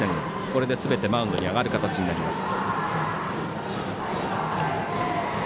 これですべてマウンドに上がる形になります。